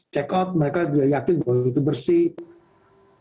check out mereka juga yakin bahwa itu bersih